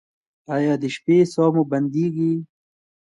ایا د شپې ساه مو بندیږي؟